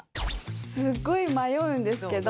すごい迷うんですけど。